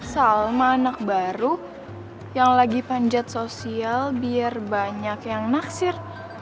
sama anak baru yang lagi panjat sosial biar banyak yang naksir